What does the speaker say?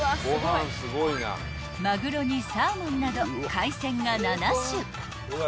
［マグロにサーモンなど海鮮が７種］